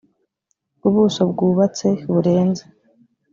ubuso bwubatse burenze